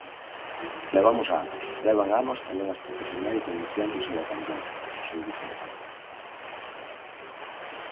Levamos anos, levan anos tamén as profesionais denunciando o seu abandono, o seu desamparo.